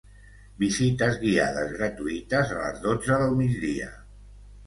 visites guiades gratuïtes a les dotze del migdia